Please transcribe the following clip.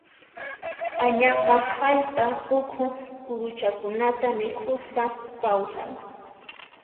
Añasqa hallp'a ukhu kuruchakunata mikhuspa kawsan.